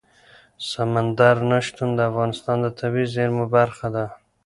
سمندر نه شتون د افغانستان د طبیعي زیرمو برخه ده.